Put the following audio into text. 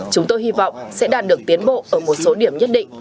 chúng tôi hy vọng sẽ đạt được tiến bộ ở một số điểm nhất định